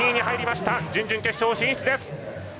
準々決勝進出です！